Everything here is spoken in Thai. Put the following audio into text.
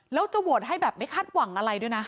แล้วจะโหวตให้แบบไม่คาดหวังอะไรด้วยนะ